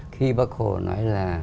khi bác hồ nói là